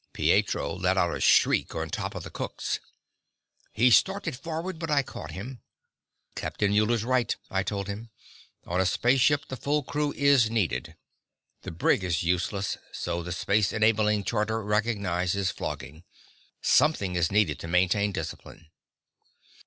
Pietro let out a shriek on top of the cook's. He started forward, but I caught him. "Captain Muller's right," I told him. "On a spaceship, the full crew is needed. The brig is useless, so the space enabling charter recognizes flogging. Something is needed to maintain discipline."